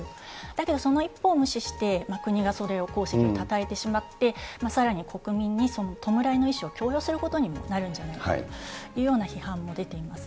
だけどその意見を無視して国がそれを、功績をたたえてしまって、さらに国民に、弔いの意思を強要することにもなるんじゃないかというような批判も出ています。